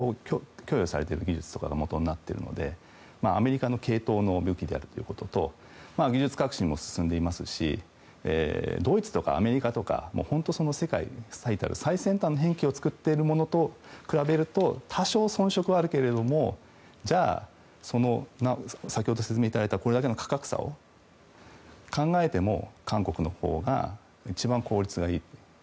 それなりの能力と言いましたけれどもその歴史的に見るとアメリカから供与されている技術とかがもとになっているのでアメリカの系統の武器であるということと技術革新も進んでいますしドイツとかアメリカとか本当に世界に最たる最先端の兵器を作っているものと比べると多少そん色はあるけれども先ほど説明いただいたこれだけの価格差を考えても韓国のほうが一番効率がいい。